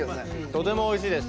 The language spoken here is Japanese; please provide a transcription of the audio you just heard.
とてもおいしいです！